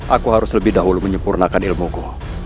aku harus lebih dahulu menyempurnakan ilmuku